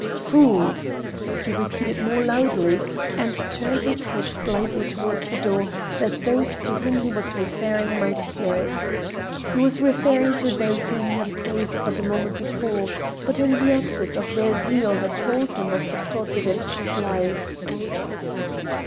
"Fools!" he repeated more loudly, and turned his head slightly toward the door that those to whom he was referring might hear it. He was referring to those whom he had praised but a moment before, who in the excess of their zeal had told him of the plot against his life.